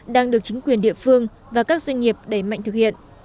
đang được chính quyền địa phương và các doanh nghiệp đẩy mạnh thực hiện